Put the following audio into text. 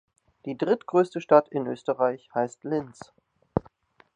Die drittgrößte Stadt in Österreich heißt Linz.